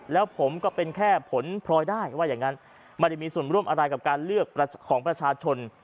แล้วผมก็เป็นแค่ผลพลอยได้ว่าอย่างนั้นไม่ได้มีส่วนร่วมอะไรกับการเลือกของประชาชน